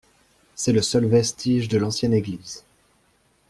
C’est le seul vestige de l’ancienne église.